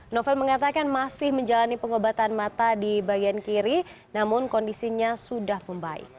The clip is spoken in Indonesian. novel mengatakan masih menjalani pengobatan mata di bagian kiri namun kondisinya sudah membaik